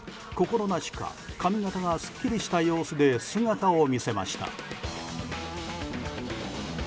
心なしか髪形がすっきりした様子で姿を見せました。